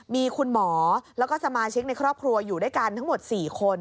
มีคุณหมอแล้วก็สมาชิกในครอบครัวอยู่ด้วยกันทั้งหมด๔คน